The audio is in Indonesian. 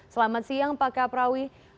selamat siang pak kaprawi